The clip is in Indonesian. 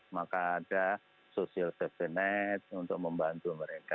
maka ada social definite untuk membantu mereka